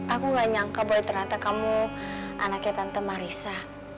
aku ga nyangka boy ternyata kamu anaknya tante marissa